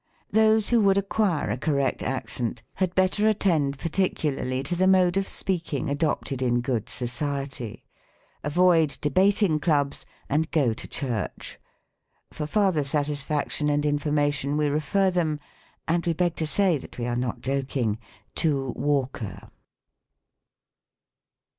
Those who would acquire a correct accent had better attend particularly to the mode of speaking adopted in good society ; avoid de bating clubs ; and go to church. For farther satisfac tion and information we refer them, and we beg to say that we are not joking — to Walker.